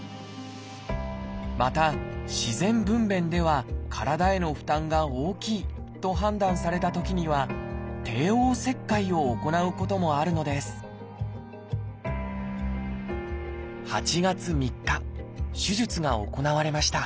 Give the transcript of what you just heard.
また自然分娩では体への負担が大きいと判断されたときには帝王切開を行うこともあるのです８月３日手術が行われました。